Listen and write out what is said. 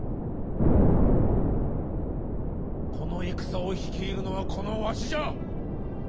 この戦を率いるのはこのわしじゃ！